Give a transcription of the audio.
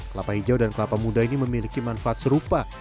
kelapa hijau dan kelapa muda ini memiliki manfaat serupa